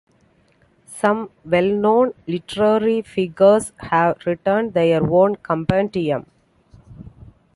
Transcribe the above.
Some well known literary figures have written their own compendium.